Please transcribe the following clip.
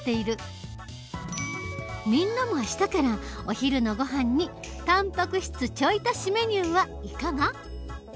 みんなも明日からお昼のごはんにたんぱく質ちょい足しメニューはいかが？